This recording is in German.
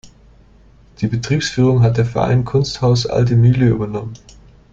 Die Betriebsführung hat der Verein kunsthaus alte mühle übernommen.